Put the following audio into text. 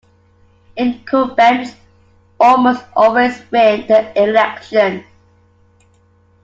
Incumbents almost always win the elections.